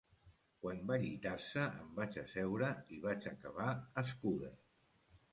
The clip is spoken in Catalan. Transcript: Quan va llitar-se em vaig asseure i vaig acabar Scudder.